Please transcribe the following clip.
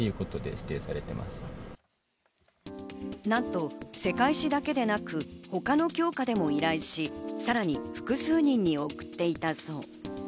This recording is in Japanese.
なんと世界史だけでなく他の教科でも依頼し、さらに複数人に送っていたそう。